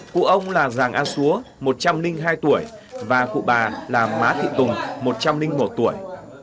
cụ ông là giàng a xúa một trăm linh hai tuổi và cụ bà là má thị tùng một trăm linh một tuổi